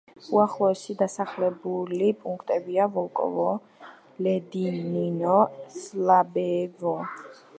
უახლოესი დასახლებული პუნქტებია: ვოლკოვო, ლედინინო, სლაბეევო.